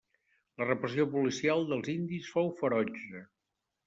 La repressió policial dels indis fou ferotge.